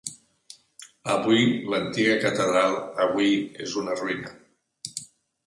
Avui, l'antiga catedral avui és una ruïna.